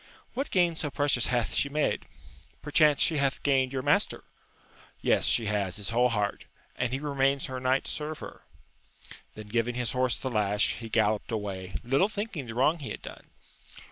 — ^What gain so precious hath she made 1 perchance a\ie\ia»^ ^^ccL^^^^Nist \cas^v«;tV ^<»^ AMADIS OF GAUL, 217 she has, his whole heart ! and he remains her knight to serve her ! Then, giving his horse the lash, he galloped away, little thinking the wrong he had done.